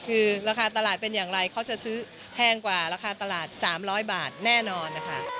คือราคาตลาดเป็นอย่างไรเขาจะซื้อแพงกว่าราคาตลาด๓๐๐บาทแน่นอนนะคะ